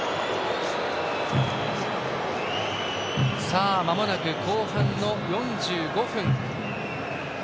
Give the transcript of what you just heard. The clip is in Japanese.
さあ、まもなく後半４５分。